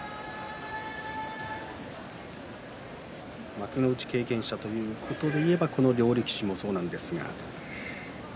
幕内経験者ということでいえばこの両力士もそうなります。